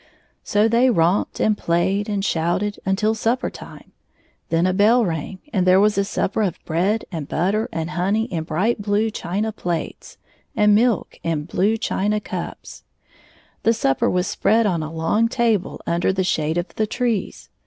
So they romped and played and shouted mitil supper time. Then a bell rang, and there was a supper of bread and butter and honey in bright blue china plates, and milk in blue china cups. The supper was spread on a long table under the shade of the trees.